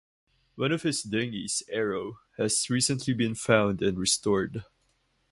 One of his dinghies, "Aero", has recently been found and restored.